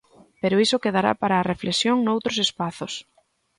Pero iso quedará para a reflexión noutros espazos.